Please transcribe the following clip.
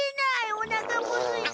おなかもすいた！